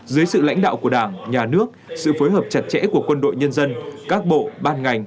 dưới sự lãnh đạo của đảng nhà nước sự phối hợp chặt chẽ của quân đội nhân dân các bộ ban ngành